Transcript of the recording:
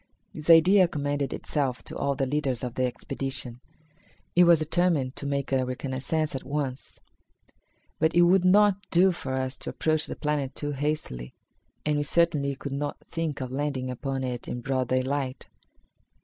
This idea commended itself to all the leaders of the expedition. It was determined to make a reconnaissance at once. But it would not do for us to approach the planet too hastily, and we certainly could not think of landing upon it in broad daylight.